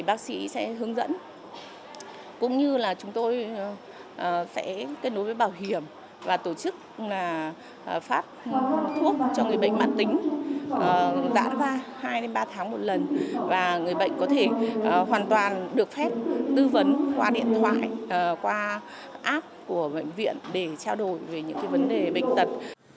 bệnh có thể hoàn toàn được phép tư vấn qua điện thoại qua app của bệnh viện để trao đổi về những vấn đề bệnh tật